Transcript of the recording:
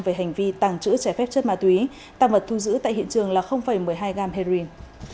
về hành vi tàng trữ trái phép chất ma túy tăng vật thu giữ tại hiện trường là một mươi hai g heroin